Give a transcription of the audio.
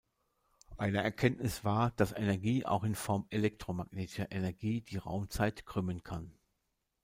Eine Erkenntnis war, dass Energie, auch in Form elektromagnetischer Energie, die Raumzeit krümmen kann.